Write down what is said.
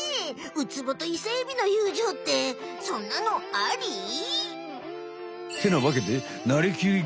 ウツボとイセエビの友情ってそんなのあり？ってなわけで「なりきり！